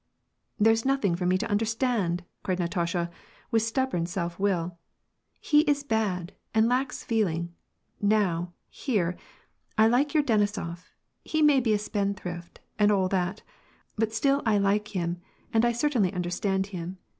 " There's nothing for me to understand," cried Natasha, with stubborn self will ;" he is bad, and lacks feeling. Now, here, I like your Denisof ; he may be a spendthrift, and all that but still I like him, and I certainly understand him.